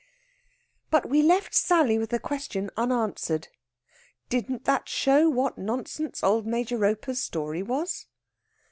But we left Sally with a question unanswered. Didn't that show what nonsense old Major Roper's story was?